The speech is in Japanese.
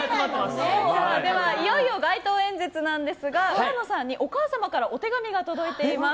いよいよ街頭演説なんですが浦野さんにお母さまからお手紙が届いています。